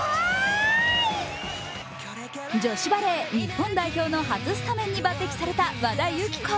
女子バレー日本代表の初スタメンに抜てきされた和田由紀子。